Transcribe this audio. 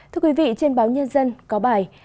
thưa quý vị trên báo nhân dân có bài